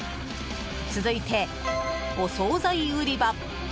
続いて、お総菜売り場。